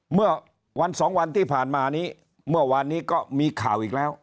เมื่อวันสองวันที่ผ่านมานี้เมื่อวานนี้ก็มีข่าวอีกแล้ว